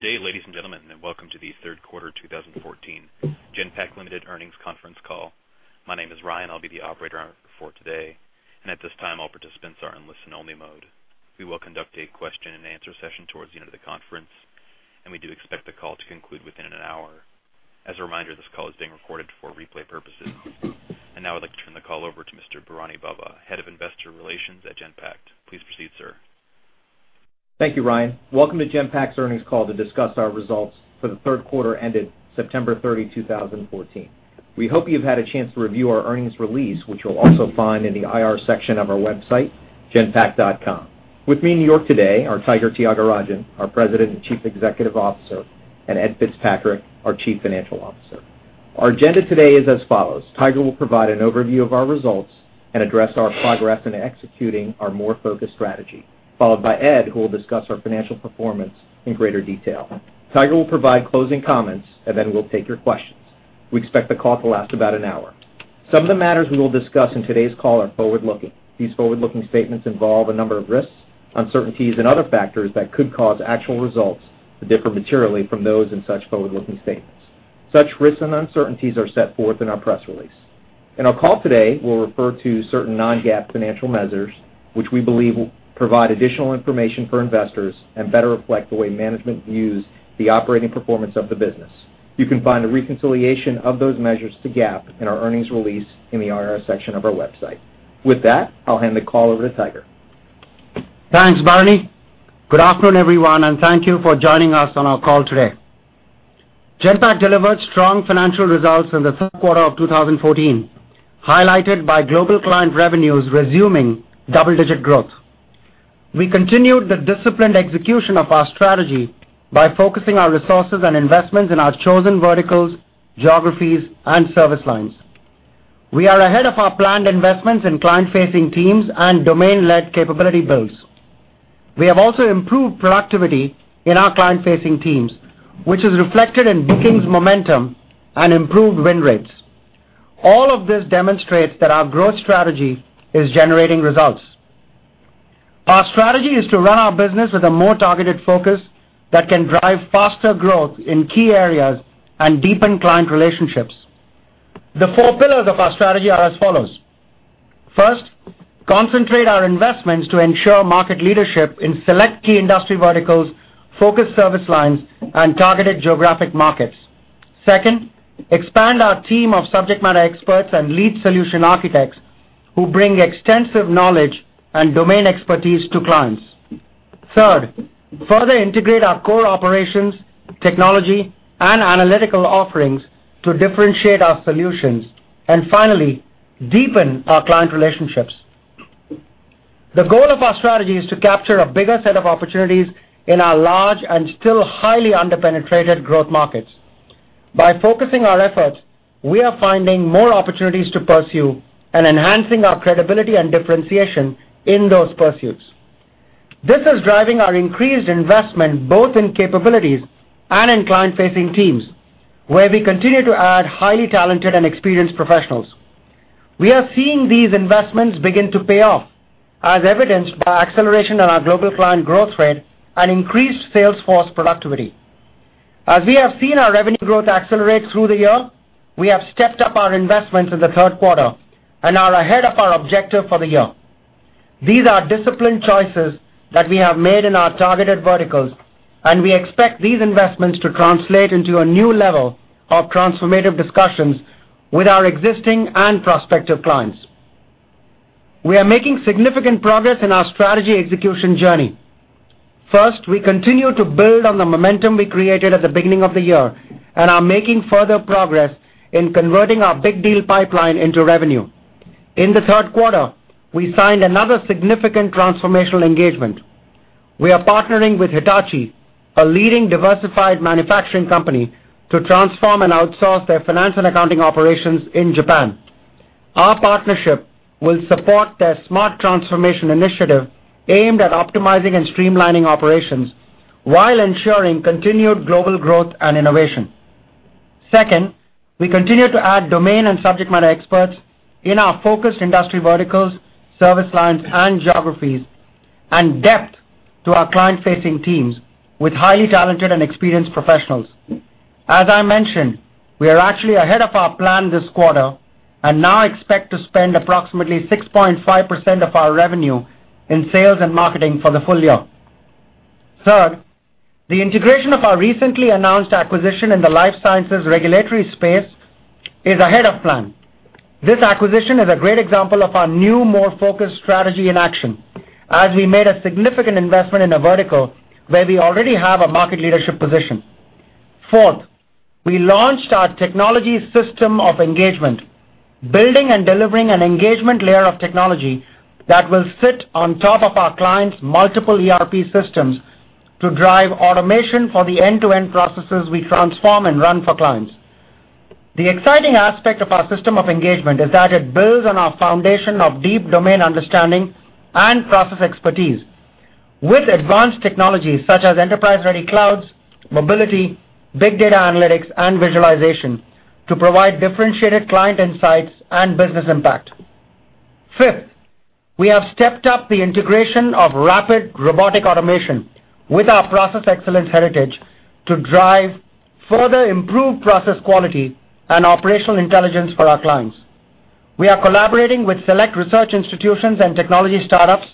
Good day, ladies and gentlemen, welcome to the third quarter 2014 Genpact Limited earnings conference call. My name is Ryan. I will be the operator for today, and at this time, all participants are in listen-only mode. We will conduct a question-and-answer session towards the end of the conference, and we do expect the call to conclude within an hour. As a reminder, this call is being recorded for replay purposes. Now I would like to turn the call over to Mr. Balkrishan Kalra, Head of Investor Relations at Genpact. Please proceed, sir. Thank you, Ryan. Welcome to Genpact's earnings call to discuss our results for the third quarter ended September 30, 2014. We hope you have had a chance to review our earnings release, which you will also find in the IR section of our website, genpact.com. With me in New York today are Tiger Thyagarajan, our President and Chief Executive Officer, and Ed Fitzpatrick, our Chief Financial Officer. Our agenda today is as follows: Tiger will provide an overview of our results and address our progress in executing our more focused strategy, followed by Ed, who will discuss our financial performance in greater detail. Tiger will provide closing comments, then we will take your questions. We expect the call to last about an hour. Some of the matters we will discuss in today's call are forward-looking. These forward-looking statements involve a number of risks, uncertainties, and other factors that could cause actual results to differ materially from those in such forward-looking statements. Such risks and uncertainties are set forth in our press release. In our call today, we will refer to certain non-GAAP financial measures, which we believe will provide additional information for investors and better reflect the way management views the operating performance of the business. You can find a reconciliation of those measures to GAAP in our earnings release in the IR section of our website. With that, I will hand the call over to Tiger. Thanks, Bharani. Good afternoon, everyone, thank you for joining us on our call today. Genpact delivered strong financial results in the third quarter of 2014, highlighted by global client revenues resuming double-digit growth. We continued the disciplined execution of our strategy by focusing our resources and investments in our chosen verticals, geographies, and service lines. We are ahead of our planned investments in client-facing teams and domain-led capability builds. We have also improved productivity in our client-facing teams, which is reflected in bookings momentum and improved win rates. All of this demonstrates that our growth strategy is generating results. Our strategy is to run our business with a more targeted focus that can drive faster growth in key areas and deepen client relationships. The four pillars of our strategy are as follows. First, concentrate our investments to ensure market leadership in select key industry verticals, focused service lines, and targeted geographic markets. Second, expand our team of subject matter experts and lead solution architects who bring extensive knowledge and domain expertise to clients. Third, further integrate our core operations, technology, and analytical offerings to differentiate our solutions. Finally, deepen our client relationships. The goal of our strategy is to capture a bigger set of opportunities in our large and still highly under-penetrated growth markets. By focusing our efforts, we are finding more opportunities to pursue and enhancing our credibility and differentiation in those pursuits. This is driving our increased investment both in capabilities and in client-facing teams, where we continue to add highly talented and experienced professionals. We are seeing these investments begin to pay off, as evidenced by acceleration in our global client growth rate and increased sales force productivity. As we have seen our revenue growth accelerate through the year, we have stepped up our investments in the third quarter and are ahead of our objective for the year. These are disciplined choices that we have made in our targeted verticals, and we expect these investments to translate into a new level of transformative discussions with our existing and prospective clients. We are making significant progress in our strategy execution journey. First, we continue to build on the momentum we created at the beginning of the year and are making further progress in converting our big deal pipeline into revenue. In the third quarter, we signed another significant transformational engagement. We are partnering with Hitachi, a leading diversified manufacturing company, to transform and outsource their finance and accounting operations in Japan. Our partnership will support their Smart Transformation initiative aimed at optimizing and streamlining operations while ensuring continued global growth and innovation. Second, we continue to add domain and subject matter experts in our focused industry verticals, service lines, and geographies, and depth to our client-facing teams with highly talented and experienced professionals. As I mentioned, we are actually ahead of our plan this quarter and now expect to spend approximately 6.5% of our revenue in sales and marketing for the full year. Third, the integration of our recently announced acquisition in the life sciences regulatory space is ahead of plan. This acquisition is a great example of our new, more focused strategy in action, as we made a significant investment in a vertical where we already have a market leadership position. Fourth, we launched our technology System of Engagement, building and delivering an engagement layer of technology that will sit on top of our clients' multiple ERP systems to drive automation for the end-to-end processes we transform and run for clients. The exciting aspect of our System of Engagement is that it builds on our foundation of deep domain understanding and process expertise with advanced technologies such as enterprise-ready clouds, mobility, big data analytics, and visualization to provide differentiated client insights and business impact. Fifth, we have stepped up the integration of rapid robotic automation with our process excellence heritage to drive further improved process quality and operational intelligence for our clients. We are collaborating with select research institutions and technology startups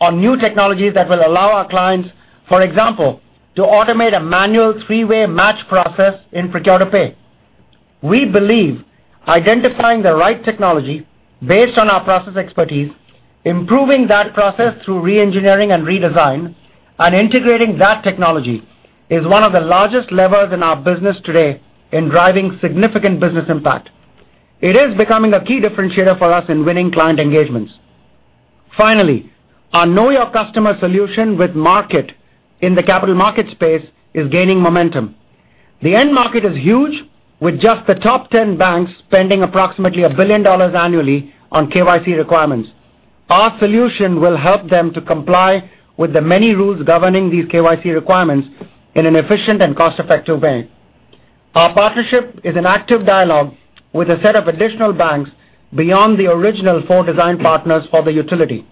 on new technologies that will allow our clients, for example, to automate a manual three-way match process in procure-to-pay. We believe identifying the right technology based on our process expertise, improving that process through re-engineering and redesign, and integrating that technology is one of the largest levers in our business today in driving significant business impact. It is becoming a key differentiator for us in winning client engagements. Finally, our know your customer solution with Markit in the capital market space is gaining momentum. The end market is huge, with just the top 10 banks spending approximately $1 billion annually on KYC requirements. Our solution will help them to comply with the many rules governing these KYC requirements in an efficient and cost-effective way. Our partnership is an active dialogue with a set of additional banks beyond the original four design partners for the utility.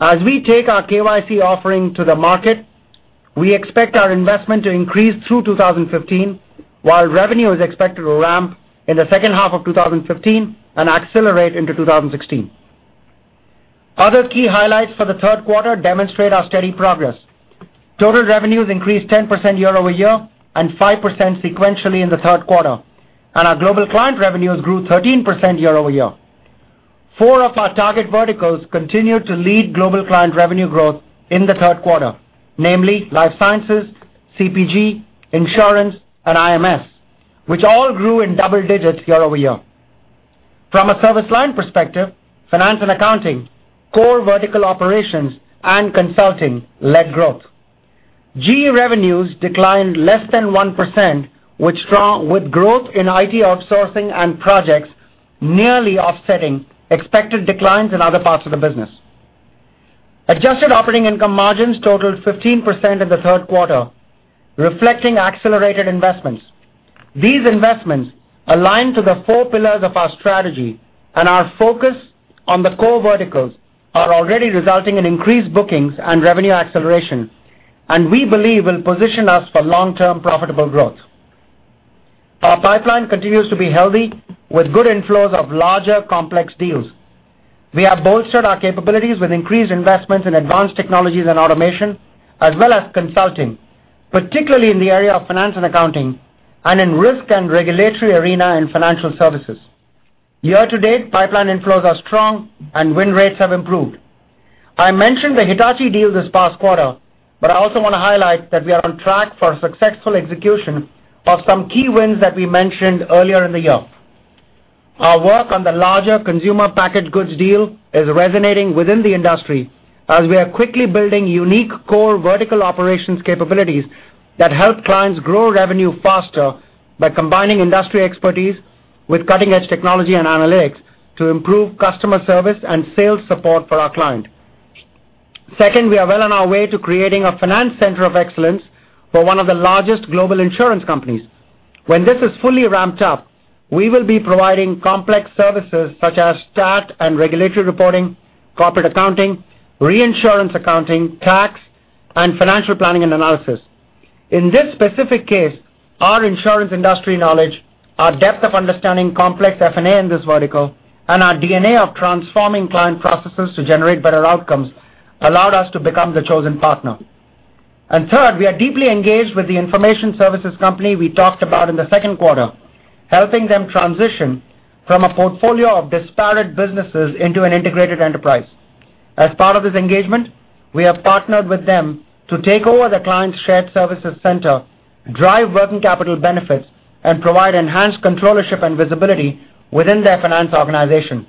As we take our KYC offering to the market, we expect our investment to increase through 2015, while revenue is expected to ramp in the second half of 2015 and accelerate into 2016. Other key highlights for the third quarter demonstrate our steady progress. Total revenues increased 10% year-over-year and 5% sequentially in the third quarter, and our global client revenues grew 13% year-over-year. Four of our target verticals continued to lead global client revenue growth in the third quarter, namely life sciences, CPG, insurance, and IMS, which all grew in double digits year-over-year. From a service line perspective, finance and accounting, core vertical operations, and consulting led growth. GE revenues declined less than 1%, with growth in IT outsourcing and projects nearly offsetting expected declines in other parts of the business. Adjusted operating income margins totaled 15% in the third quarter, reflecting accelerated investments. These investments align to the four pillars of our strategy, and our focus on the core verticals are already resulting in increased bookings and revenue acceleration, and we believe will position us for long-term profitable growth. Our pipeline continues to be healthy with good inflows of larger, complex deals. We have bolstered our capabilities with increased investments in advanced technologies and automation, as well as consulting, particularly in the area of finance and accounting and in risk and regulatory arena in financial services. Year-to-date, pipeline inflows are strong and win rates have improved. I mentioned the Hitachi deal this past quarter, but I also want to highlight that we are on track for successful execution of some key wins that we mentioned earlier in the year. Our work on the larger consumer package goods deal is resonating within the industry as we are quickly building unique core vertical operations capabilities that help clients grow revenue faster by combining industry expertise with cutting-edge technology and analytics to improve customer service and sales support for our client. Second, we are well on our way to creating a finance center of excellence for one of the largest global insurance companies. When this is fully ramped up, we will be providing complex services such as stat and regulatory reporting, corporate accounting, reinsurance accounting, tax, and financial planning and analysis. In this specific case, our insurance industry knowledge, our depth of understanding complex F&A in this vertical, and our DNA of transforming client processes to generate better outcomes allowed us to become the chosen partner. Third, we are deeply engaged with the information services company we talked about in the second quarter, helping them transition from a portfolio of disparate businesses into an integrated enterprise. As part of this engagement, we have partnered with them to take over the client's shared services center, drive working capital benefits, and provide enhanced controllership and visibility within their finance organization.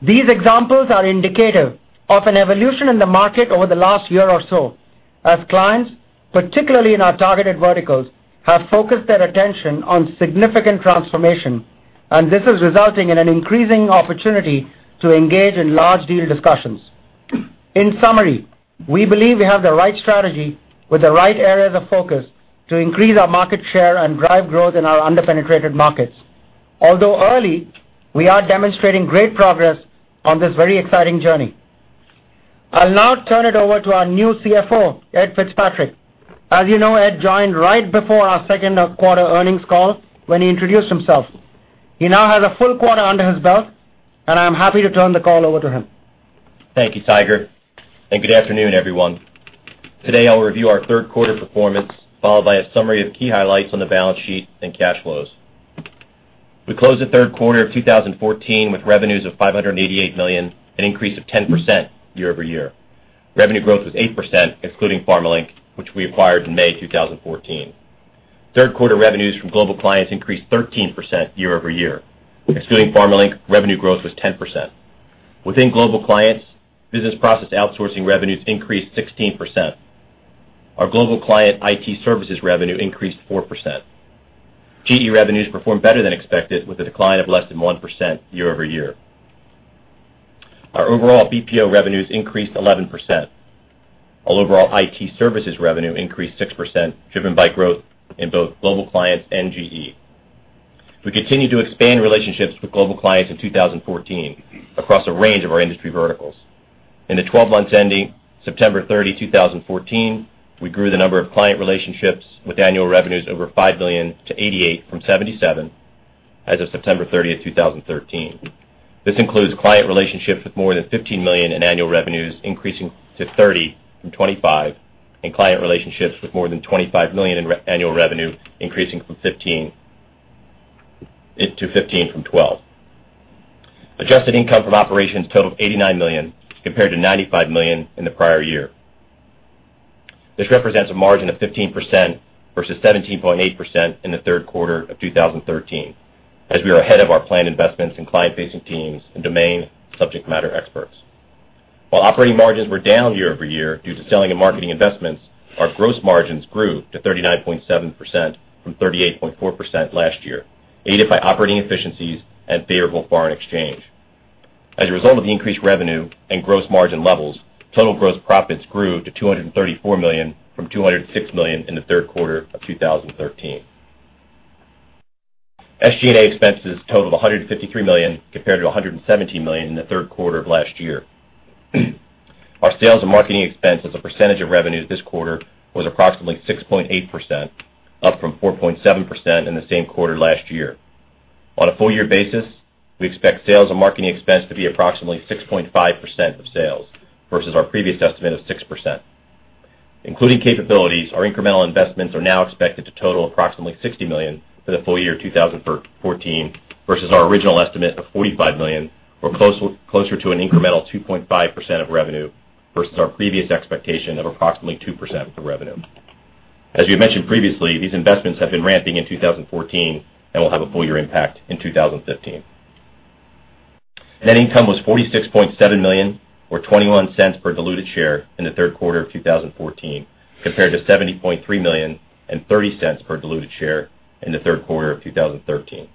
These examples are indicative of an evolution in the market over the last year or so as clients, particularly in our targeted verticals, have focused their attention on significant transformation. This is resulting in an increasing opportunity to engage in large deal discussions. In summary, we believe we have the right strategy with the right areas of focus to increase our market share and drive growth in our under-penetrated markets. Although early, we are demonstrating great progress on this very exciting journey. I'll now turn it over to our new CFO, Ed Fitzpatrick. As you know, Ed joined right before our second quarter earnings call when he introduced himself. He now has a full quarter under his belt. I'm happy to turn the call over to him. Thank you, Tiger. Good afternoon, everyone. Today, I'll review our third quarter performance, followed by a summary of key highlights on the balance sheet and cash flows. We closed the third quarter of 2014 with revenues of $588 million, an increase of 10% year-over-year. Revenue growth was 8%, excluding Pharmalink, which we acquired in May 2014. Third quarter revenues from global clients increased 13% year-over-year. Excluding Pharmalink, revenue growth was 10%. Within global clients, business process outsourcing revenues increased 16%. Our global client IT services revenue increased 4%. GE revenues performed better than expected with a decline of less than 1% year-over-year. Our overall BPO revenues increased 11%. Overall IT services revenue increased 6%, driven by growth in both global clients and GE. We continued to expand relationships with global clients in 2014 across a range of our industry verticals. In the 12 months ending September 30, 2014, we grew the number of client relationships with annual revenues over $5 million to 88 from 77 as of September 30, 2013. This includes client relationships with more than $15 million in annual revenues, increasing to 30 from 25, and client relationships with more than $25 million in annual revenue, increasing to 15 from 12. Adjusted income from operations totaled $89 million, compared to $95 million in the prior year. This represents a margin of 15% versus 17.8% in the third quarter of 2013, as we are ahead of our planned investments in client-facing teams and domain subject matter experts. While operating margins were down year-over-year due to selling and marketing investments, our gross margins grew to 39.7% from 38.4% last year, aided by operating efficiencies and favorable foreign exchange. As a result of the increased revenue and gross margin levels, total gross profits grew to $234 million from $206 million in the third quarter of 2013. SG&A expenses totaled $153 million, compared to $117 million in the third quarter of last year. Our sales and marketing expense as a percentage of revenue this quarter was approximately 6.8%, up from 4.7% in the same quarter last year. On a full year basis, we expect sales and marketing expense to be approximately 6.5% of sales versus our previous estimate of 6%. Including capabilities, our incremental investments are now expected to total approximately $60 million for the full year 2014 versus our original estimate of $45 million, or closer to an incremental 2.5% of revenue versus our previous expectation of approximately 2% of revenue. As we mentioned previously, these investments have been ramping in 2014 and will have a full year impact in 2015. Net income was $46.7 million, or $0.21 per diluted share in the third quarter of 2014, compared to $70.3 million and $0.30 per diluted share in the third quarter of 2013.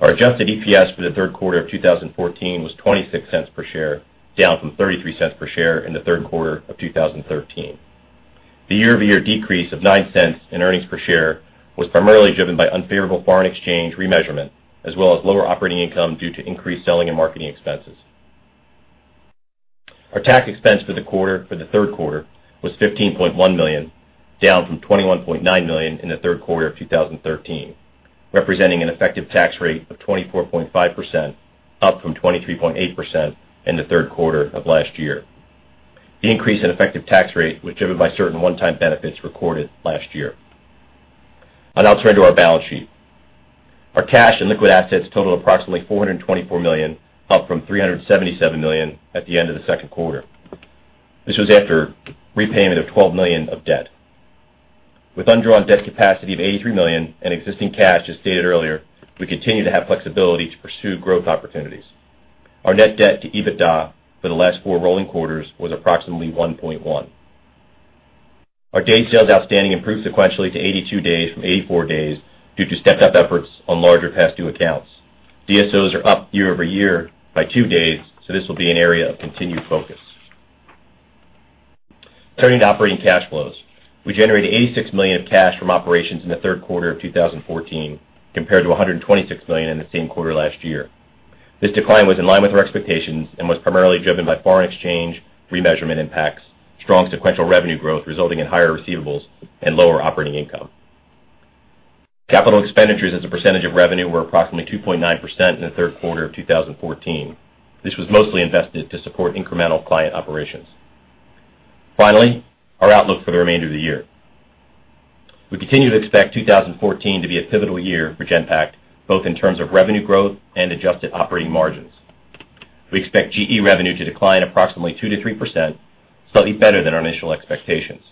Our adjusted EPS for the third quarter of 2014 was $0.26 per share, down from $0.33 per share in the third quarter of 2013. The year-over-year decrease of $0.09 in earnings per share was primarily driven by unfavorable foreign exchange remeasurement, as well as lower operating income due to increased selling and marketing expenses. Our tax expense for the third quarter was $15.1 million, down from $21.9 million in the third quarter of 2013, representing an effective tax rate of 24.5%, up from 23.8% in the third quarter of last year. The increase in effective tax rate was driven by certain one-time benefits recorded last year. Now turning to our balance sheet. Our cash and liquid assets total approximately $424 million, up from $377 million at the end of the second quarter. This was after repayment of $12 million of debt. With undrawn debt capacity of $83 million and existing cash, as stated earlier, we continue to have flexibility to pursue growth opportunities. Our net debt to EBITDA for the last four rolling quarters was approximately 1.1. Our Days Sales Outstanding improved sequentially to 82 days from 84 days due to stepped-up efforts on larger past due accounts. DSOs are up year-over-year by two days, so this will be an area of continued focus. Turning to operating cash flows. We generated $86 million of cash from operations in the third quarter of 2014, compared to $126 million in the same quarter last year. This decline was in line with our expectations and was primarily driven by foreign exchange remeasurement impacts, strong sequential revenue growth resulting in higher receivables, and lower operating income. Capital expenditures as a percentage of revenue were approximately 2.9% in the third quarter of 2014. This was mostly invested to support incremental client operations. Finally, our outlook for the remainder of the year. We continue to expect 2014 to be a pivotal year for Genpact, both in terms of revenue growth and adjusted operating margins. We expect GE revenue to decline approximately 2%-3%, slightly better than our initial expectations.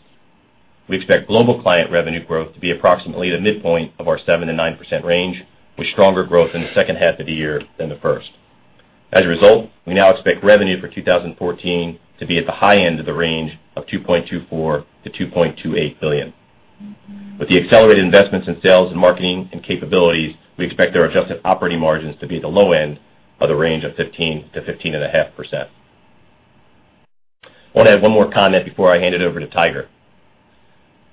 We expect global client revenue growth to be approximately the midpoint of our 7%-9% range, with stronger growth in the second half of the year than the first. As a result, we now expect revenue for 2014 to be at the high end of the range of $2.24 billion-$2.28 billion. With the accelerated investments in sales and marketing and capabilities, we expect our adjusted operating margins to be at the low end of the range of 15%-15.5%. I want to add one more comment before I hand it over to Tiger.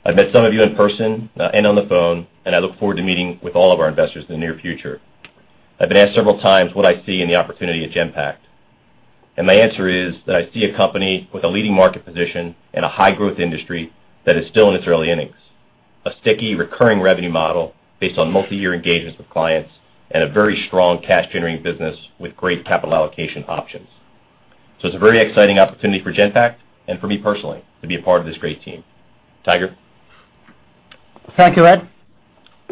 I've met some of you in person and on the phone, and I look forward to meeting with all of our investors in the near future. I've been asked several times what I see in the opportunity at Genpact, and my answer is that I see a company with a leading market position in a high-growth industry that is still in its early innings, a sticky recurring revenue model based on multi-year engagements with clients, and a very strong cash-generating business with great capital allocation options. It's a very exciting opportunity for Genpact and for me personally to be a part of this great team. Tiger? Thank you, Ed.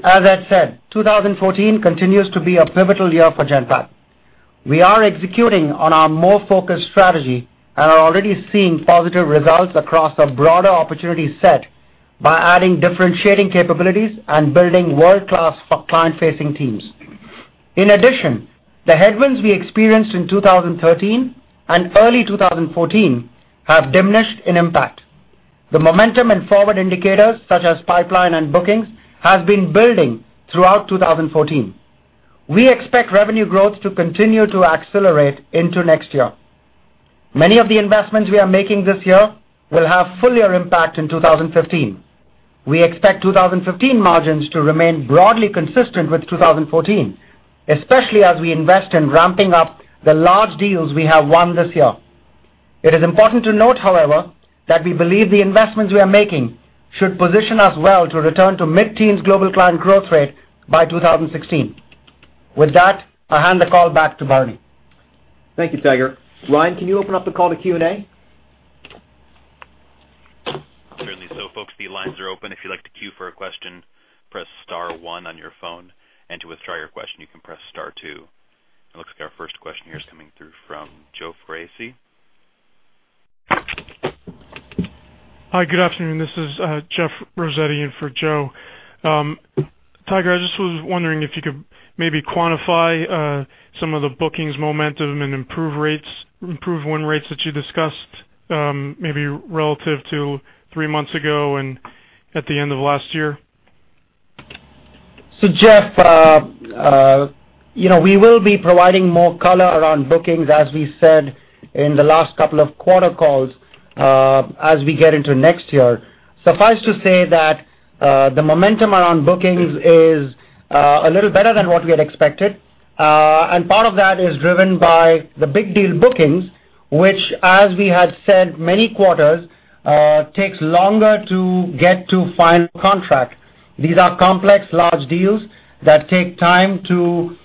As Ed said, 2014 continues to be a pivotal year for Genpact. We are executing on our more focused strategy and are already seeing positive results across a broader opportunity set by adding differentiating capabilities and building world-class client-facing teams. In addition, the headwinds we experienced in 2013 and early 2014 have diminished in impact. The momentum and forward indicators, such as pipeline and bookings, have been building throughout 2014. We expect revenue growth to continue to accelerate into next year. Many of the investments we are making this year will have a fuller impact in 2015. We expect 2015 margins to remain broadly consistent with 2014, especially as we invest in ramping up the large deals we have won this year. It is important to note, however, that we believe the investments we are making should position us well to return to mid-teens global client growth rate by 2016. With that, I'll hand the call back to Barney. Thank you, Tiger. Ryan, can you open up the call to Q&A? Certainly. Folks, the lines are open. If you'd like to queue for a question, press *1 on your phone, and to withdraw your question, you can press *2. It looks like our first question here is coming through from Joseph Foresi. Hi, good afternoon. This is Jeff Rossetti in for Joe. Tiger, I just was wondering if you could maybe quantify some of the bookings momentum and improve win rates that you discussed, maybe relative to three months ago and at the end of last year. Jeff, we will be providing more color around bookings, as we said in the last couple of quarter calls, as we get into next year. Suffice to say that the momentum around bookings is a little better than what we had expected. Part of that is driven by the big deal bookings, which, as we have said many quarters, takes longer to get to final contract. These are complex, large deals that take time to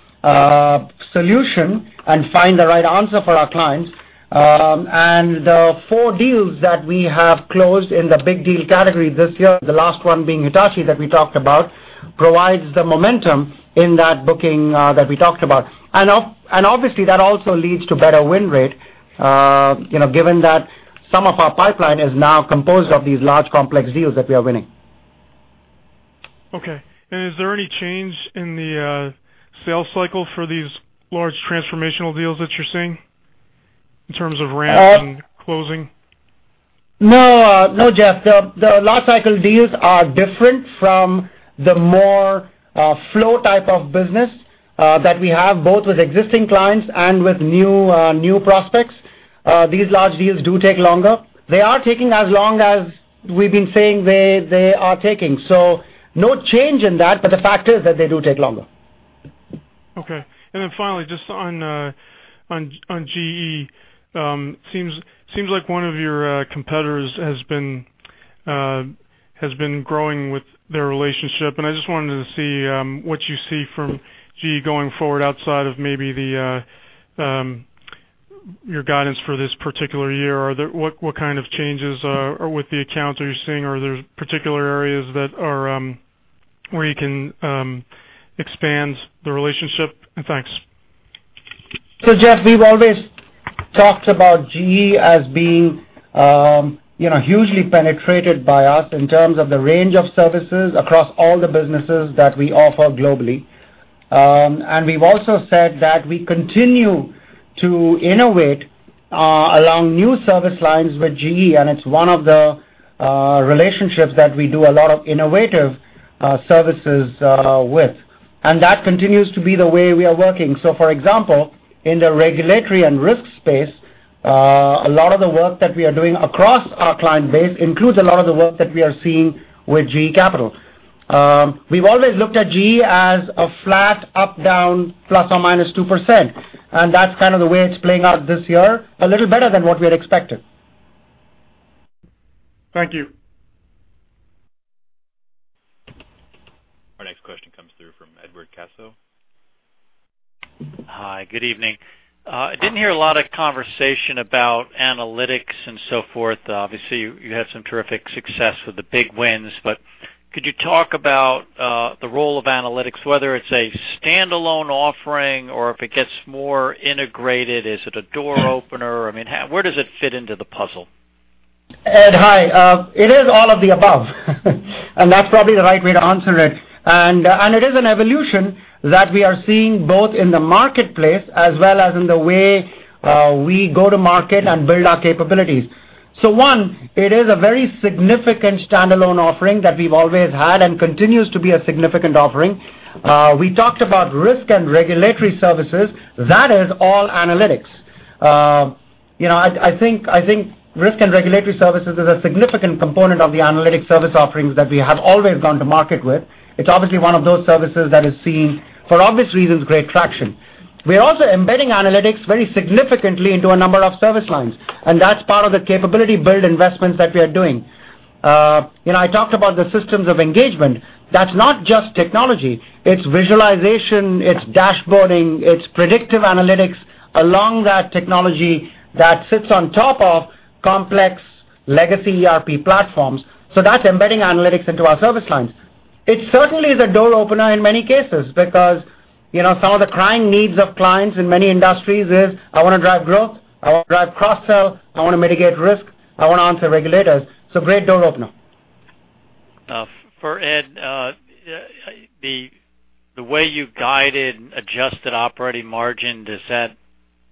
solution and find the right answer for our clients. The four deals that we have closed in the big deal category this year, the last one being Hitachi, that we talked about, provides the momentum in that booking that we talked about. Obviously that also leads to better win rate, given that some of our pipeline is now composed of these large, complex deals that we are winning. Okay. Is there any change in the sales cycle for these large transformational deals that you're seeing in terms of ramps and closing? No, Jeff. The large cycle deals are different from the more flow type of business that we have both with existing clients and with new prospects. These large deals do take longer. They are taking as long as we've been saying they are taking. No change in that, but the fact is that they do take longer. Okay. Finally, just on GE, seems like one of your competitors has been growing with their relationship, and I just wanted to see what you see from GE going forward outside of maybe your guidance for this particular year. What kind of changes with the accounts are you seeing, or are there particular areas where you can expand the relationship? Thanks. Jeff, we've always talked about GE as being hugely penetrated by us in terms of the range of services across all the businesses that we offer globally. We've also said that we continue to innovate along new service lines with GE, and it's one of the relationships that we do a lot of innovative services with. That continues to be the way we are working. For example, in the regulatory and risk space, a lot of the work that we are doing across our client base includes a lot of the work that we are seeing with GE Capital. We've always looked at GE as a flat up-down plus or minus 2%, and that's kind of the way it's playing out this year. A little better than what we had expected. Thank you. Our next question comes through from Edward Caso. Hi, good evening. I didn't hear a lot of conversation about analytics and so forth. Obviously, you had some terrific success with the big wins, but could you talk about the role of analytics, whether it's a standalone offering or if it gets more integrated? Is it a door opener? Where does it fit into the puzzle? Ed, hi. It is all of the above, and that's probably the right way to answer it. It is an evolution that we are seeing both in the marketplace as well as in the way we go to market and build our capabilities. One, it is a very significant standalone offering that we've always had and continues to be a significant offering. We talked about risk and regulatory services. That is all analytics. I think risk and regulatory services is a significant component of the analytics service offerings that we have always gone to market with. It's obviously one of those services that is seeing, for obvious reasons, great traction. We're also embedding analytics very significantly into a number of service lines, and that's part of the capability build investments that we are doing. I talked about the System of Engagement. That's not just technology. It's visualization, it's dashboarding, it's predictive analytics along that technology that sits on top of complex legacy ERP platforms. That's embedding analytics into our service lines. It certainly is a door opener in many cases because some of the crying needs of clients in many industries is, "I want to drive growth, I want to drive cross-sell, I want to mitigate risk, I want to answer regulators." Great door opener. For Ed, the way you guided adjusted operating margin, does that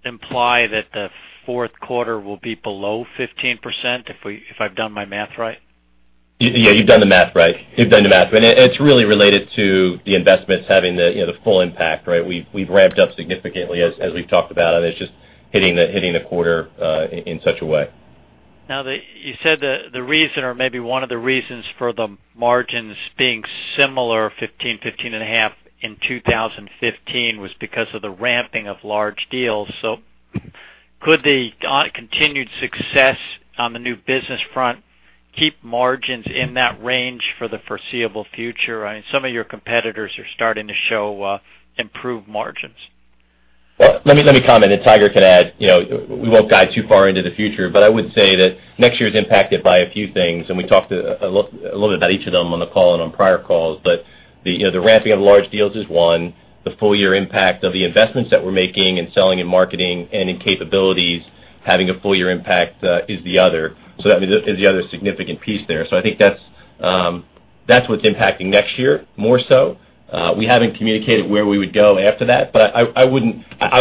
imply that the fourth quarter will be below 15%? If I've done my math right. Yeah, you've done the math right. You've done the math. It's really related to the investments having the full impact, right? We've ramped up significantly as we've talked about, it's just hitting the quarter in such a way. Now that you said the reason or maybe one of the reasons for the margins being similar, 15.5 in 2015, was because of the ramping of large deals. Could the continued success on the new business front keep margins in that range for the foreseeable future? Some of your competitors are starting to show improved margins. Well, let me comment, Tiger can add. We won't dive too far into the future, I would say that next year is impacted by a few things, we talked a little bit about each of them on the call and on prior calls. The ramping of large deals is one. The full-year impact of the investments that we're making in selling and marketing and in capabilities, having a full-year impact is the other. That is the other significant piece there. I think that's what's impacting next year more so. We haven't communicated where we would go after that. I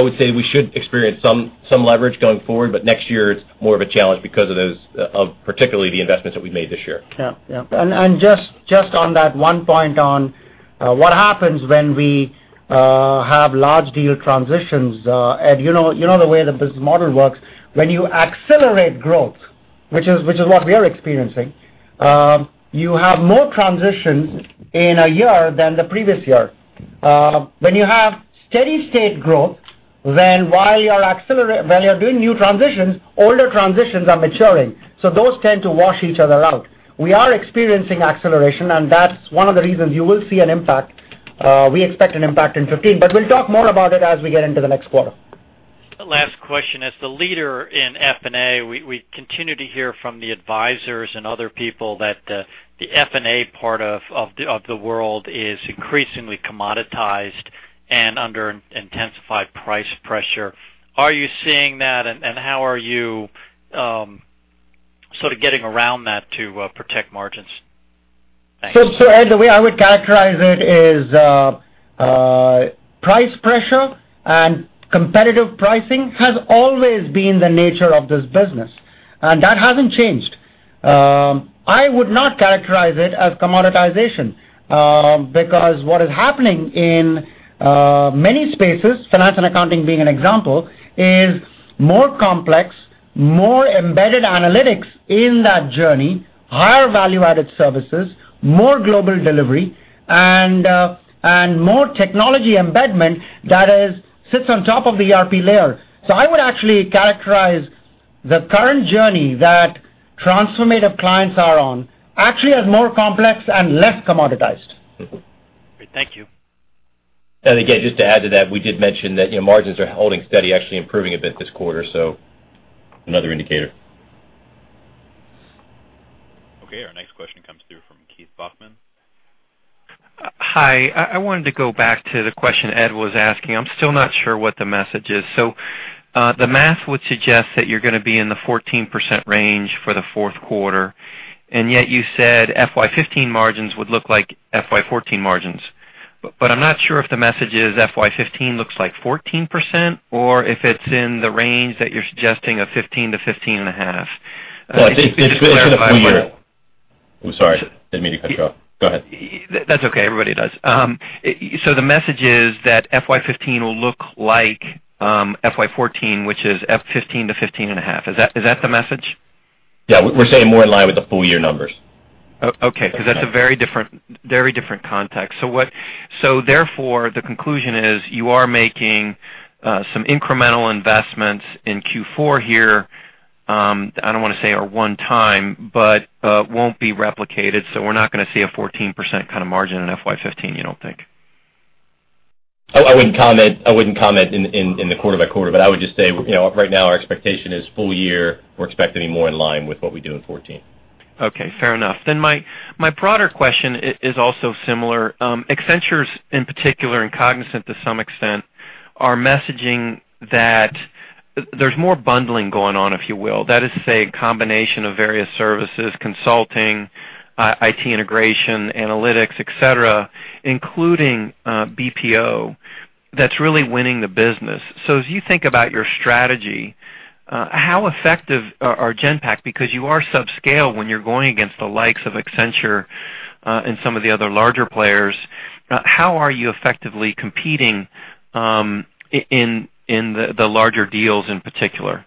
would say we should experience some leverage going forward. Next year, it's more of a challenge because of particularly the investments that we've made this year. Yeah. Just on that one point on what happens when we have large deal transitions. Ed, you know the way the business model works. When you accelerate growth, which is what we are experiencing, you have more transitions in a year than the previous year. When you have steady state growth, while you're doing new transitions, older transitions are maturing. Those tend to wash each other out. We are experiencing acceleration, that's one of the reasons you will see an impact. We expect an impact in 2015. We'll talk more about it as we get into the next quarter. Last question. As the leader in F&A, we continue to hear from the advisors and other people that the F&A part of the world is increasingly commoditized and under intensified price pressure. Are you seeing that, how are you sort of getting around that to protect margins? Thanks. Ed, the way I would characterize it is price pressure and competitive pricing has always been the nature of this business, that hasn't changed. I would not characterize it as commoditization, because what is happening in many spaces, finance and accounting being an example, is more complex, more embedded analytics in that journey, higher value-added services, more global delivery, and more technology embedment that sits on top of the ERP layer. I would actually characterize the current journey that transformative clients are on actually as more complex and less commoditized. Great. Thank you. Again, just to add to that, we did mention that margins are holding steady, actually improving a bit this quarter. Another indicator. Our next question comes through from Keith Bachman. Hi. I wanted to go back to the question Ed was asking. I'm still not sure what the message is. The math would suggest that you're going to be in the 14% range for the fourth quarter. Yet you said FY 2015 margins would look like FY 2014 margins. I'm not sure if the message is FY 2015 looks like 14% or if it's in the range that you're suggesting of 15%-15.5%. Well. If you could just clarify. I'm sorry. I didn't mean to cut you off. Go ahead. That's okay. Everybody does. The message is that FY 2015 will look like FY 2014, which is F 15%-15.5%. Is that the message? Yeah. We're saying more in line with the full-year numbers. That's a very different context. Therefore, the conclusion is you are making some incremental investments in Q4 here. I don't want to say are one time, but won't be replicated, we're not going to see a 14% kind of margin in FY 2015, you don't think? I wouldn't comment in the quarter by quarter, but I would just say, right now our expectation is full year, we're expecting to be more in line with what we do in 2014. Okay. Fair enough. My broader question is also similar. Accenture, in particular, and Cognizant to some extent, are messaging that there's more bundling going on, if you will. That is to say, a combination of various services, consulting, IT integration, analytics, et cetera, including BPO, that's really winning the business. As you think about your strategy, how effective are Genpact, because you are subscale when you're going against the likes of Accenture and some of the other larger players. How are you effectively competing in the larger deals in particular?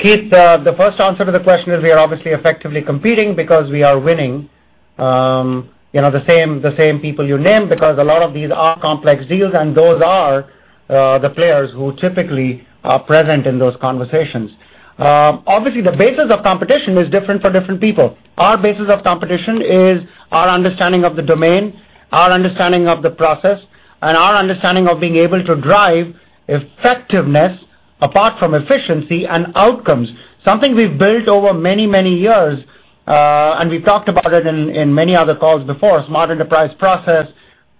Keith, the first answer to the question is we are obviously effectively competing because we are winning the same people you named because a lot of these are complex deals, and those are the players who typically are present in those conversations. Obviously, the basis of competition is different for different people. Our basis of competition is our understanding of the domain, our understanding of the process, and our understanding of being able to drive effectiveness apart from efficiency and outcomes, something we've built over many, many years, and we've talked about it in many other calls before. Smart enterprise process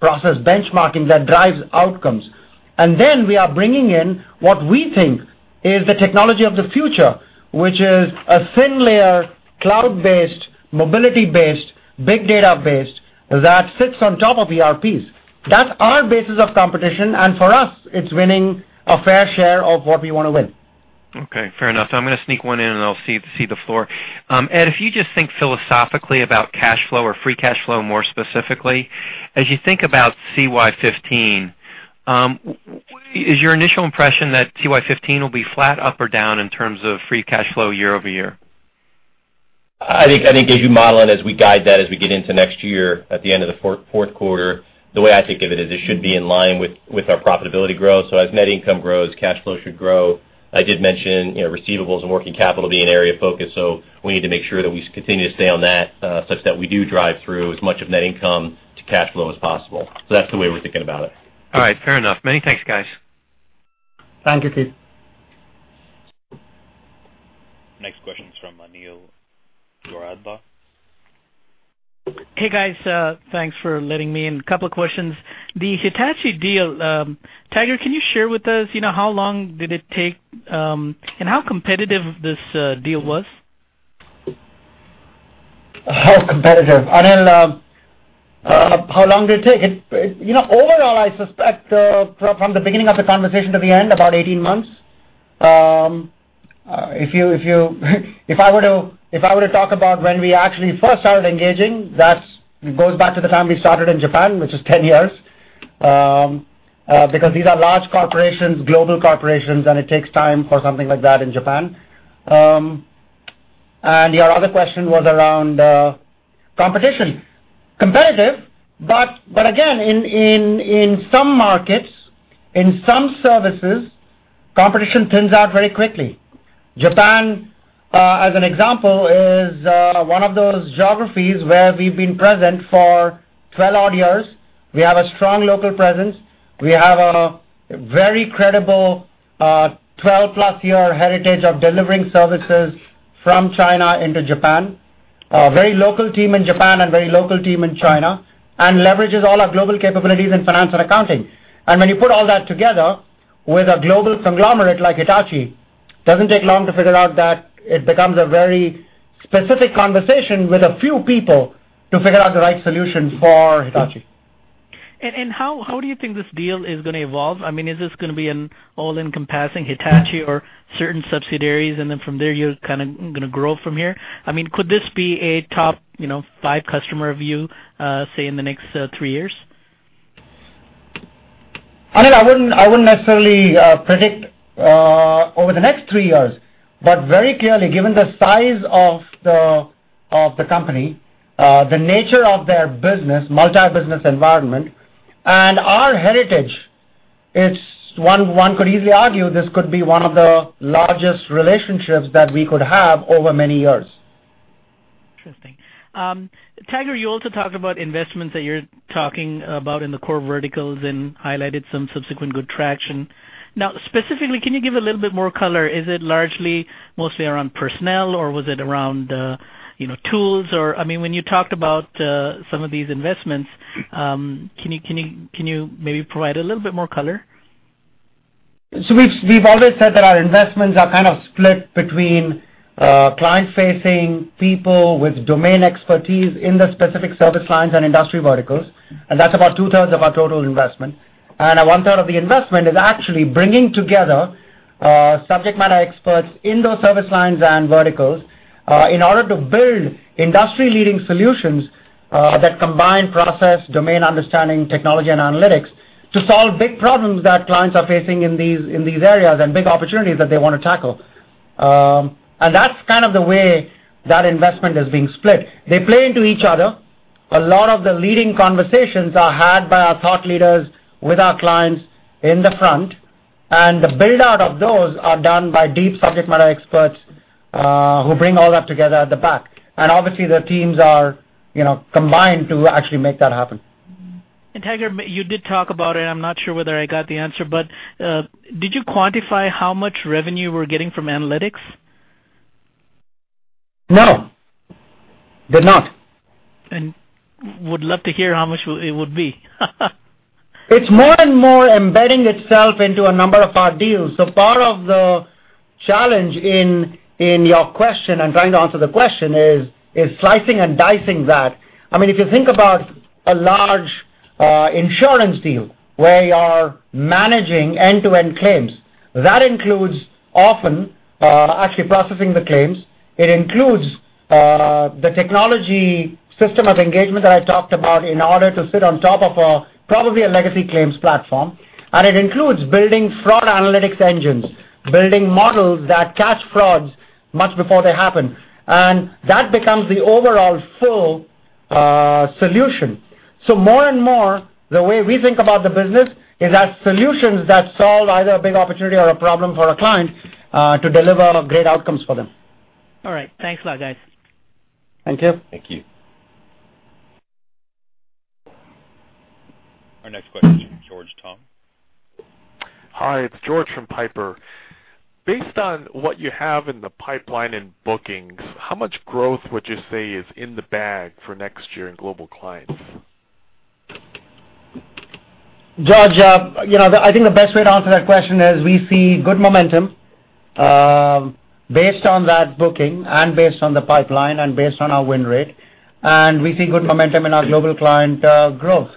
benchmarking that drives outcomes. We are bringing in what we think is the technology of the future, which is a thin layer, cloud-based, mobility-based, big data-based, that sits on top of ERPs. That's our basis of competition, and for us, it's winning a fair share of what we want to win. Okay, fair enough. I'm going to sneak one in, and I'll cede the floor. Ed, if you just think philosophically about cash flow or free cash flow, more specifically, as you think about CY 2015, is your initial impression that CY 2015 will be flat, up or down in terms of free cash flow year-over-year? I think as you model it, as we guide that, as we get into next year at the end of the fourth quarter, the way I think of it is it should be in line with our profitability growth. As net income grows, cash flow should grow. I did mention receivables and working capital being an area of focus, we need to make sure that we continue to stay on that such that we do drive through as much of net income to cash flow as possible. That's the way we're thinking about it. All right, fair enough. Many thanks, guys. Thank you, Keith. Next question is from Anil Doradla. Hey, guys. Thanks for letting me in. A couple of questions. The Hitachi deal. Tiger, can you share with us how long did it take, and how competitive this deal was? How competitive, Anil. How long did it take? Overall, I suspect from the beginning of the conversation to the end, about 18 months. If I were to talk about when we actually first started engaging, that goes back to the time we started in Japan, which is 10 years, because these are large corporations, global corporations, it takes time for something like that in Japan. Your other question was around competition. Competitive, but again, in some markets, in some services, competition thins out very quickly. Japan, as an example, is one of those geographies where we've been present for 12-odd years. We have a strong local presence. We have a very credible, 12-plus year heritage of delivering services from China into Japan. A very local team in Japan and very local team in China, and leverages all our global capabilities in finance and accounting. When you put all that together with a global conglomerate like Hitachi, it doesn't take long to figure out that it becomes a very specific conversation with a few people to figure out the right solution for Hitachi. How do you think this deal is going to evolve? Is this going to be an all-encompassing Hitachi or certain subsidiaries, and then from there, you're going to grow from here? Could this be a top five customer of you, say, in the next three years? Anil, I wouldn't necessarily predict over the next three years, but very clearly, given the size of the company, the nature of their business, multi-business environment, and our heritage, one could easily argue this could be one of the largest relationships that we could have over many years. Interesting. Tiger, you also talked about investments that you're talking about in the core verticals and highlighted some subsequent good traction. Specifically, can you give a little bit more color? Is it largely mostly around personnel, or was it around tools? When you talked about some of these investments, can you maybe provide a little bit more color? We've always said that our investments are kind of split between client-facing people with domain expertise in the specific service lines and industry verticals, and that's about two-thirds of our total investment. One-third of the investment is actually bringing together subject matter experts in those service lines and verticals in order to build industry-leading solutions that combine process, domain understanding, technology, and analytics to solve big problems that clients are facing in these areas and big opportunities that they want to tackle. That's kind of the way that investment is being split. They play into each other. A lot of the leading conversations are had by our thought leaders with our clients in the front, and the build-out of those are done by deep subject matter experts who bring all that together at the back. Obviously, the teams are combined to actually make that happen. Tiger, you did talk about it. I'm not sure whether I got the answer, but did you quantify how much revenue we're getting from analytics? No. Did not. Would love to hear how much it would be. It's more and more embedding itself into a number of our deals. Part of the challenge in your question and trying to answer the question is slicing and dicing that. If you think about a large insurance deal where you are managing end-to-end claims, that includes often actually processing the claims. It includes the technology System of Engagement that I talked about in order to sit on top of probably a legacy claims platform. It includes building fraud analytics engines, building models that catch frauds much before they happen. That becomes the overall full solution. More and more, the way we think about the business is as solutions that solve either a big opportunity or a problem for a client to deliver great outcomes for them. All right. Thanks a lot, guys. Thank you. Thank you. Our next question is from George Tong. Hi, it's George from Piper. Based on what you have in the pipeline in bookings, how much growth would you say is in the bag for next year in global clients? George, I think the best way to answer that question is we see good momentum, based on that booking and based on the pipeline and based on our win rate. We see good momentum in our global client growth.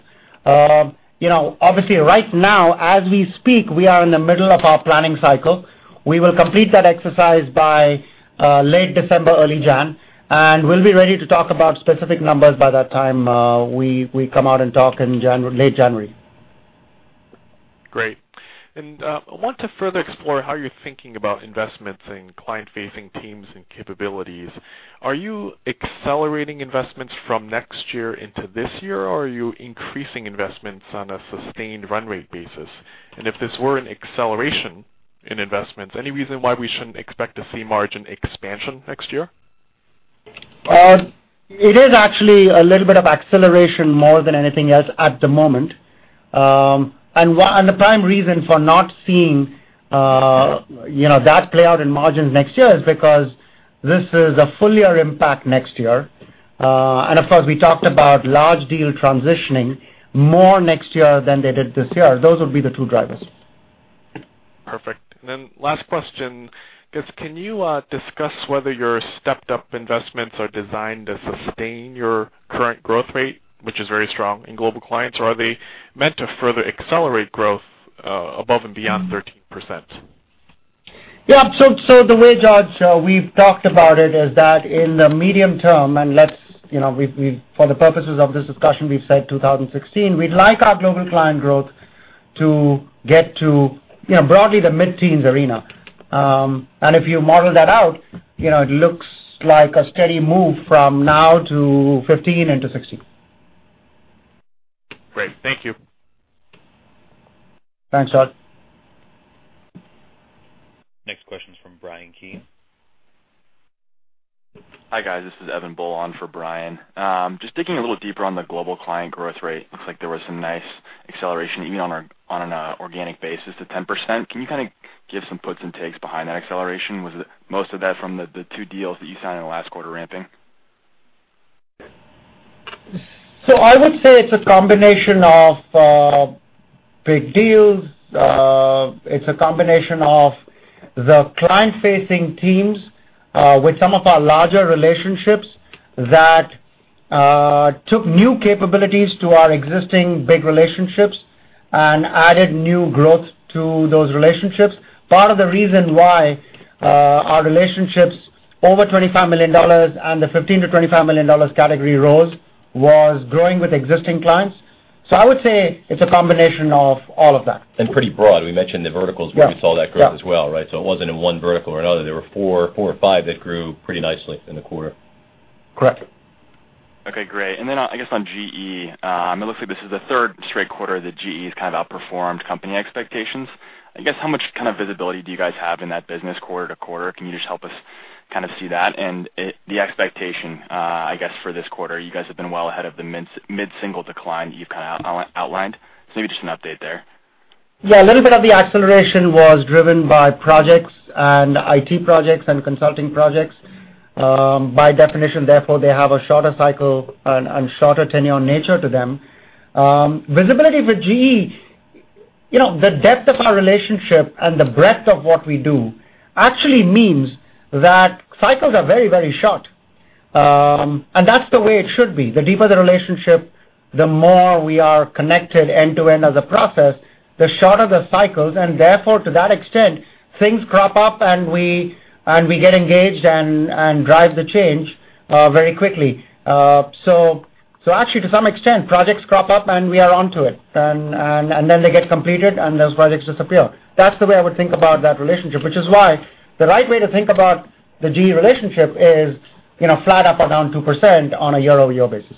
Obviously, right now, as we speak, we are in the middle of our planning cycle. We will complete that exercise by late December, early January, and we'll be ready to talk about specific numbers by that time we come out and talk in late January. Great. I want to further explore how you're thinking about investments in client-facing teams and capabilities. Are you accelerating investments from next year into this year, or are you increasing investments on a sustained run-rate basis? If this were an acceleration in investments, any reason why we shouldn't expect to see margin expansion next year? It is actually a little bit of acceleration more than anything else at the moment. The prime reason for not seeing that play out in margins next year is because this is a full year impact next year. Of course, we talked about large deal transitioning more next year than they did this year. Those would be the two drivers. Perfect. Last question. Can you discuss whether your stepped-up investments are designed to sustain your current growth rate, which is very strong in global clients, or are they meant to further accelerate growth above and beyond 13%? Yeah. The way, George, we've talked about it is that in the medium term, for the purposes of this discussion, we've said 2016, we'd like our global client growth to get to broadly the mid-teens arena. If you model that out, it looks like a steady move from now to 2015 into 2016. Great. Thank you. Thanks, George. Next question is from Bryan Keane. Hi, guys. This is Evan Bolin for Bryan. Just digging a little deeper on the global client growth rate. Looks like there was some nice acceleration even on an organic basis to 10%. Can you give some puts and takes behind that acceleration? Was most of that from the two deals that you signed in the last quarter ramping? I would say it's a combination of big deals. It's a combination of the client-facing teams with some of our larger relationships that took new capabilities to our existing big relationships and added new growth to those relationships. Part of the reason why our relationships over $25 million and the $15 million-$25 million category rose was growing with existing clients. I would say it's a combination of all of that. Pretty broad. We mentioned the verticals Yeah where we saw that growth as well, right? It wasn't in one vertical or another. There were four or five that grew pretty nicely in the quarter. Correct. Okay, great. Then, I guess on GE, it looks like this is the third straight quarter that GE has kind of outperformed company expectations. I guess how much kind of visibility do you guys have in that business quarter-to-quarter? Can you just help us kind of see that? The expectation, I guess, for this quarter, you guys have been well ahead of the mid-single decline that you've kind of outlined. Maybe just an update there. Yeah, a little bit of the acceleration was driven by projects, and IT projects and consulting projects. By definition, therefore, they have a shorter cycle and shorter tenure nature to them. Visibility for GE, the depth of our relationship and the breadth of what we do actually means that cycles are very short. That's the way it should be. The deeper the relationship, the more we are connected end to end as a process, the shorter the cycles, and therefore, to that extent, things crop up, and we get engaged and drive the change very quickly. Actually, to some extent, projects crop up, and we are onto it. Then they get completed, and those projects disappear. That's the way I would think about that relationship, which is why the right way to think about the GE relationship is flat up or down 2% on a year-over-year basis.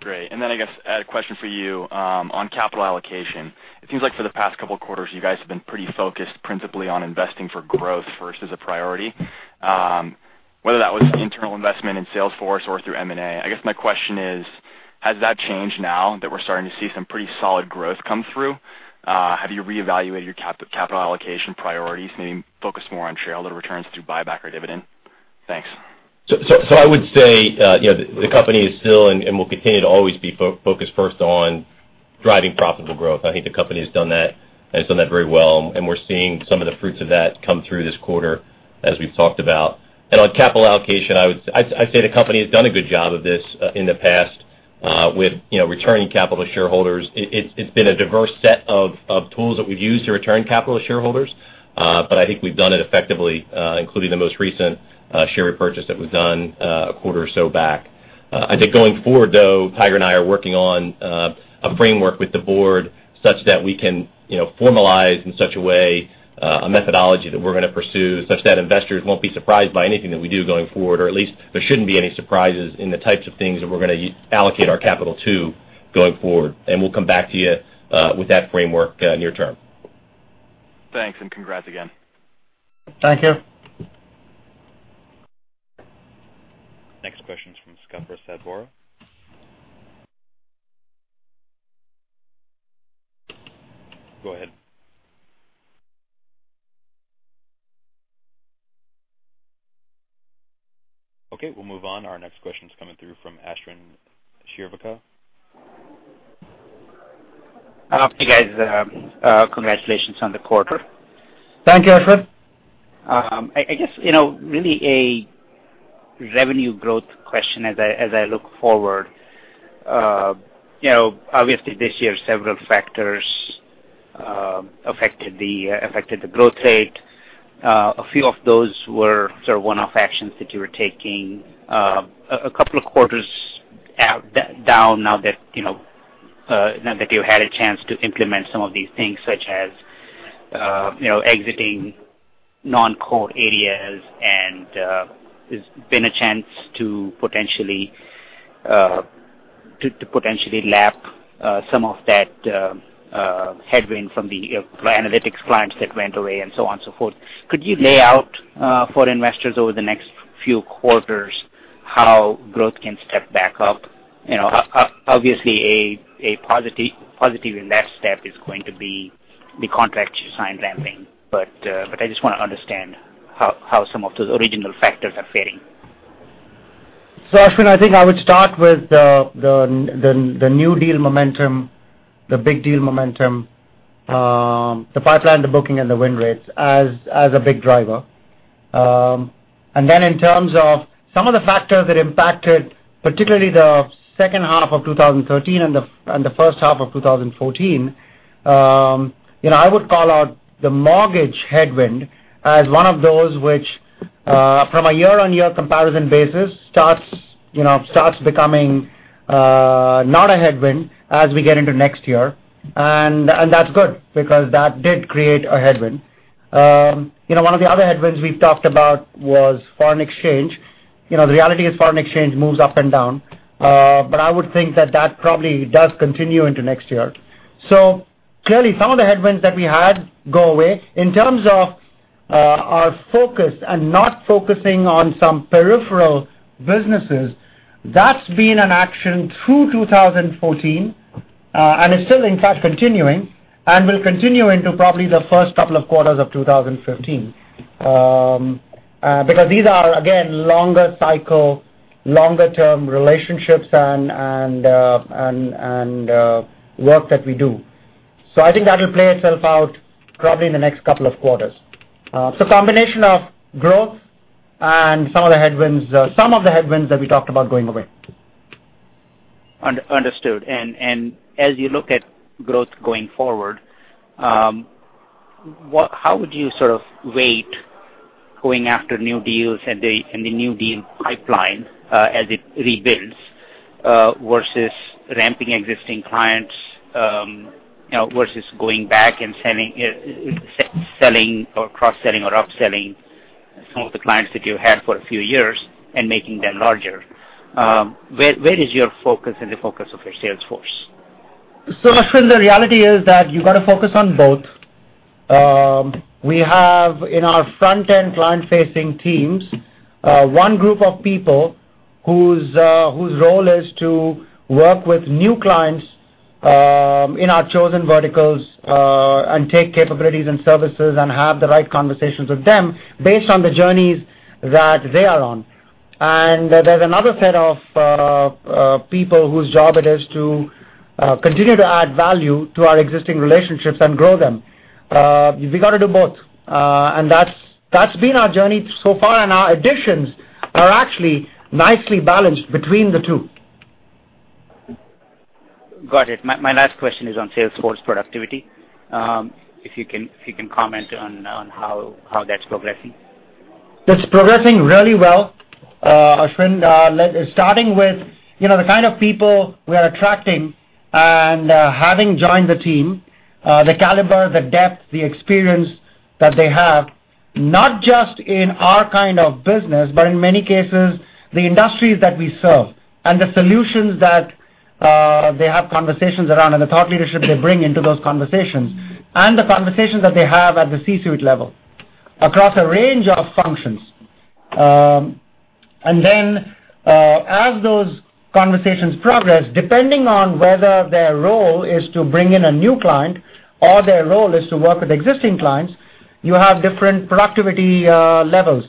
Great. Then I guess I had a question for you on capital allocation. It seems like for the past couple of quarters, you guys have been pretty focused principally on investing for growth first as a priority. Whether that was internal investment in Salesforce or through M&A. I guess my question is: Has that changed now that we're starting to see some pretty solid growth come through? Have you reevaluated your capital allocation priorities, maybe focus more on shareholder returns through buyback or dividend? Thanks. I would say the company is still, and will continue to always be, focused first on driving profitable growth. I think the company has done that and has done that very well, and we're seeing some of the fruits of that come through this quarter, as we've talked about. On capital allocation, I'd say the company has done a good job of this in the past with returning capital to shareholders. It's been a diverse set of tools that we've used to return capital to shareholders. I think we've done it effectively, including the most recent share repurchase that was done a quarter or so back. I think going forward, though, Tiger and I are working on a framework with the board such that we can formalize in such a way a methodology that we're going to pursue such that investors won't be surprised by anything that we do going forward, or at least there shouldn't be any surprises in the types of things that we're going to allocate our capital to going forward. We'll come back to you with that framework near term. Thanks, and congrats again. Thank you. Skupper Sadbora. Go ahead. Okay, we'll move on. Our next question's coming through from Ashwin Shirvaikar. Hi. Congratulations on the quarter. Thank you, Ashwin. I guess, really a revenue growth question as I look forward. Obviously, this year, several factors affected the growth rate. A few of those were sort of one-off actions that you were taking. A couple of quarters down now that you've had a chance to implement some of these things, such as exiting non-core areas and there's been a chance to potentially lap some of that headwind from the analytics clients that went away and so on, so forth. Could you lay out for investors over the next few quarters how growth can step back up? Obviously, a positive in that step is going to be the contracts you signed ramping. I just want to understand how some of those original factors are fairing. Ashwin, I think I would start with the new deal momentum, the big deal momentum, the pipeline, the booking, and the win rates as a big driver. In terms of some of the factors that impacted particularly the second half of 2013 and the first half of 2014, I would call out the mortgage headwind as one of those which from a year-on-year comparison basis, starts becoming not a headwind as we get into next year. That's good because that did create a headwind. One of the other headwinds we've talked about was foreign exchange. The reality is foreign exchange moves up and down. I would think that that probably does continue into next year. Clearly, some of the headwinds that we had go away. In terms of our focus and not focusing on some peripheral businesses, that's been an action through 2014, and is still in fact continuing and will continue into probably the first couple of quarters of 2015. These are, again, longer cycle, longer-term relationships and work that we do. I think that'll play itself out probably in the next couple of quarters. It's a combination of growth and some of the headwinds that we talked about going away. Understood. As you look at growth going forward, how would you sort of weight going after new deals and the new deal pipeline, as it rebuilds, versus ramping existing clients, versus going back and selling or cross-selling or upselling some of the clients that you've had for a few years and making them larger? Where is your focus and the focus of your sales force? Ashwin, the reality is that you've got to focus on both. We have in our front-end client-facing teams, one group of people whose role is to work with new clients in our chosen verticals, and take capabilities and services and have the right conversations with them based on the journeys that they are on. There's another set of people whose job it is to continue to add value to our existing relationships and grow them. We've got to do both. That's been our journey so far, and our additions are actually nicely balanced between the two. Got it. My last question is on sales force productivity, if you can comment on how that's progressing. It's progressing really well, Ashwin. Starting with the kind of people we are attracting and having joined the team, the caliber, the depth, the experience that they have, not just in our kind of business, but in many cases, the industries that we serve and the solutions that they have conversations around and the thought leadership they bring into those conversations, and the conversations that they have at the C-suite level across a range of functions. Then, as those conversations progress, depending on whether their role is to bring in a new client or their role is to work with existing clients, you have different productivity levels.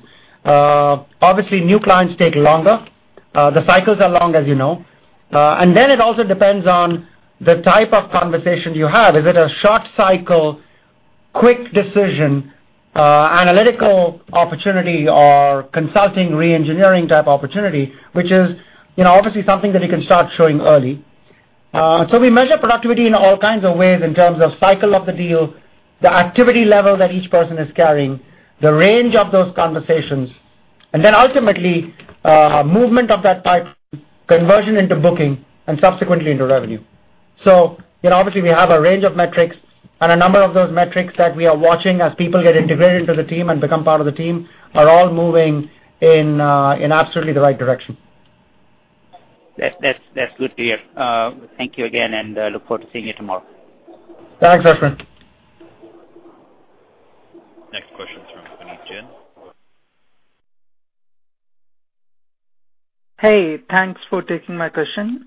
Obviously, new clients take longer. The cycles are long, as you know. Then it also depends on the type of conversation you have. Is it a short cycle, quick decision, analytical opportunity, or consulting, re-engineering type opportunity, which is obviously something that you can start showing early. We measure productivity in all kinds of ways in terms of cycle of the deal, the activity level that each person is carrying, the range of those conversations, and then ultimately, movement of that pipe, conversion into booking, and subsequently into revenue. Obviously, we have a range of metrics and a number of those metrics that we are watching as people get integrated to the team and become part of the team, are all moving in absolutely the right direction. That's good to hear. Thank you again, and look forward to seeing you tomorrow. Thanks, Ashwin. Hey, thanks for taking my question.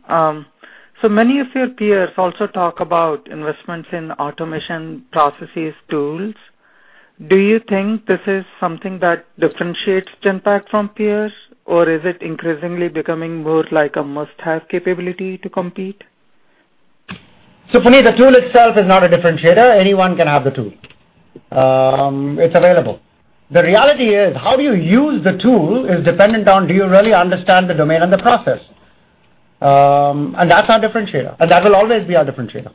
Many of your peers also talk about investments in automation processes tools. Do you think this is something that differentiates Genpact from peers, or is it increasingly becoming more like a must-have capability to compete? Puneet, the tool itself is not a differentiator. Anyone can have the tool. It's available. The reality is how do you use the tool is dependent on do you really understand the domain and the process. That's our differentiator, and that will always be our differentiator.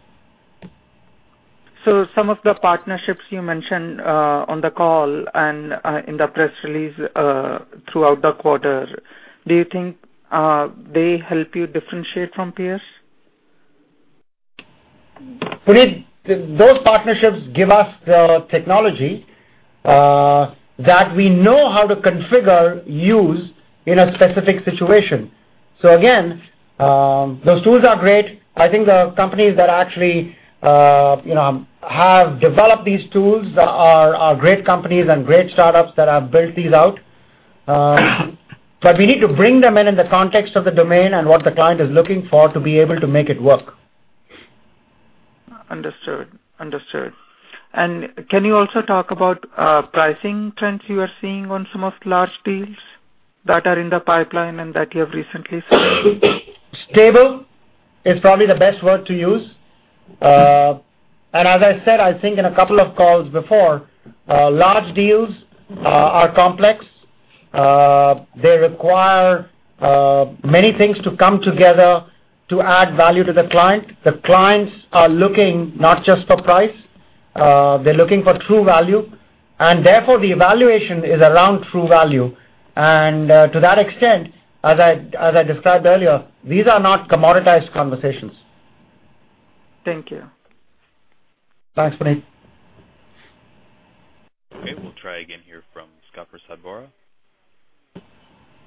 Some of the partnerships you mentioned on the call and in the press release, throughout the quarter, do you think they help you differentiate from peers? Puneet, those partnerships give us the technology that we know how to configure, use in a specific situation. Again, those tools are great. I think the companies that actually have developed these tools are great companies and great startups that have built these out. We need to bring them in in the context of the domain and what the client is looking for to be able to make it work. Understood. Can you also talk about pricing trends you are seeing on some of the large deals that are in the pipeline and that you have recently signed? Stable is probably the best word to use. As I said, I think in a couple of calls before, large deals are complex. They require many things to come together to add value to the client. The clients are looking not just for price. They're looking for true value, and therefore the evaluation is around true value. To that extent, as I described earlier, these are not commoditized conversations. Thank you. Thanks, Puneet. Okay. We'll try again here from Scott Pradvara.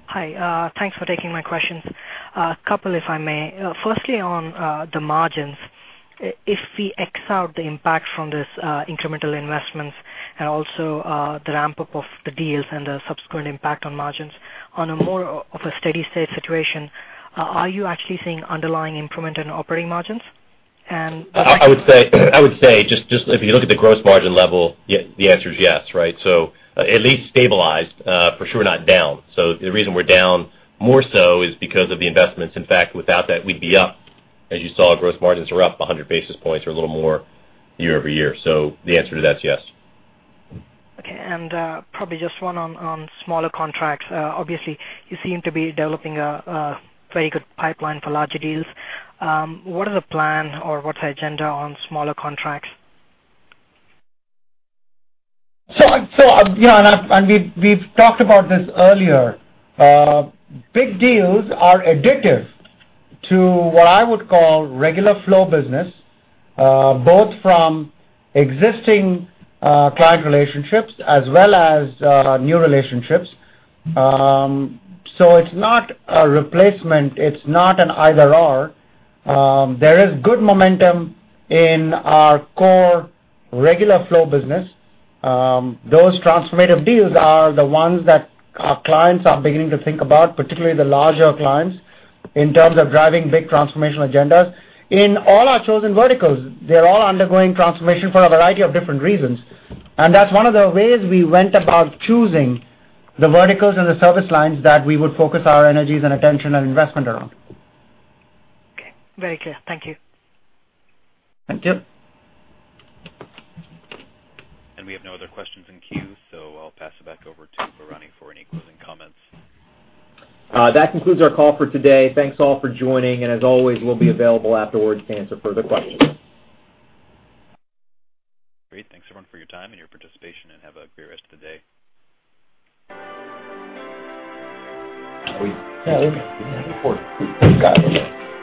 Hi, thanks for taking my questions. A couple, if I may. Firstly, on the margins, if we X out the impact from this incremental investments and also the ramp-up of the deals and the subsequent impact on margins on a more of a steady state situation, are you actually seeing underlying improvement in operating margins? I would say, just if you look at the gross margin level, the answer is yes, right? At least stabilized, for sure not down. The reason we're down more so is because of the investments. In fact, without that, we'd be up. As you saw, gross margins were up 100 basis points or a little more year-over-year. The answer to that is yes. Okay. Probably just one on smaller contracts. Obviously, you seem to be developing a very good pipeline for larger deals. What is the plan or what's the agenda on smaller contracts? We've talked about this earlier. Big deals are addictive to what I would call regular flow business, both from existing client relationships as well as new relationships. It's not a replacement. It's not an either/or. There is good momentum in our core regular flow business. Those transformative deals are the ones that our clients are beginning to think about, particularly the larger clients, in terms of driving big transformational agendas. In all our chosen verticals, they're all undergoing transformation for a variety of different reasons, and that's one of the ways we went about choosing the verticals and the service lines that we would focus our energies and attention and investment around. Okay. Very clear. Thank you. Thank you. We have no other questions in queue, so I'll pass it back over to Varun for any closing comments. That concludes our call for today. Thanks, all, for joining, and as always, we'll be available afterwards to answer further questions. Great. Thanks, everyone, for your time and your participation. Have a great rest of the day.